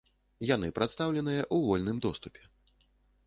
Яны прадстаўленыя ў вольным доступе.